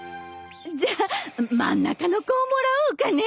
じゃ真ん中の子をもらおうかね。